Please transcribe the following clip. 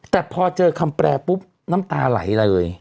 แต่พอเจอคำแปลปุ๊บน้ำตาไหลเลย